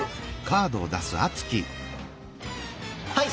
はい！